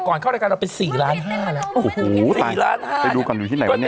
เข้ารายการเราเป็นสี่ล้านห้าแล้วโอ้โหสี่ล้านห้าไปดูก่อนอยู่ที่ไหนวะเนี่ย